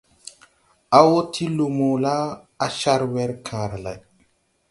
A wo ti lumo la, a car wer kããra lay.